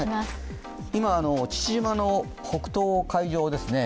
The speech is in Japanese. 今、父島の北東海上ですね